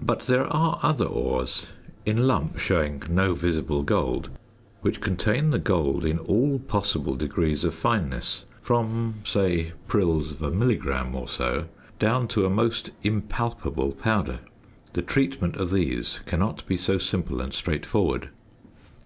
But there are other ores, in lump showing no visible gold, which contain the gold in all possible degrees of fineness, from say prills of a milligram or so down to a most impalpable powder. The treatment of these cannot be so simple and straightforward.